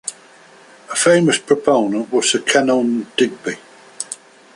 A famous proponent was Sir Kenelm Digby.